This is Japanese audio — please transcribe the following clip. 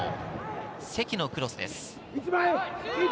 積のクロスです。